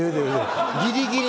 ギリギリ。